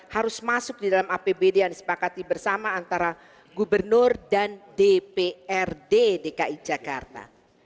harus masuk di dalam apbd yang disepakati bersama antara gubernur dan dprd dki jakarta